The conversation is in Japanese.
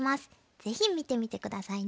ぜひ見てみて下さいね。